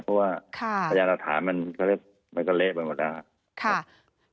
เพราะว่าประยะรฐานมันก็เละไปหมดแล้วครับ